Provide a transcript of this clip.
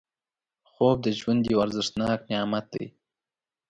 خوب د ژوند یو ارزښتناک نعمت دی